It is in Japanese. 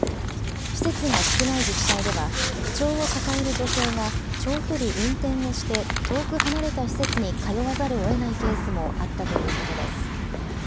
施設が少ない自治体では、不調を抱える女性が、長距離運転をして遠く離れた施設に通わざるをえないケースもあったということです。